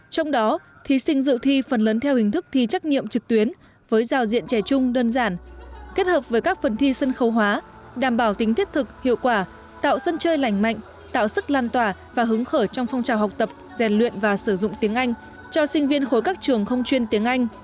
trong đó thí sinh dự thi phần lớn theo hình thức thi trắc nghiệm trực tuyến với giao diện trẻ chung đơn giản kết hợp với các phần thi sân khấu hóa đảm bảo tính thiết thực hiệu quả tạo sân chơi lành mạnh tạo sức lan tỏa và hứng khởi trong phong trào học tập rèn luyện và sử dụng tiếng anh cho sinh viên khối các trường không chuyên tiếng anh